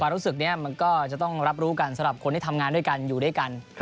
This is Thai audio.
รู้สึกนี้มันก็จะต้องรับรู้กันสำหรับคนที่ทำงานด้วยกันอยู่ด้วยกัน